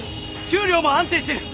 給料も安定してる。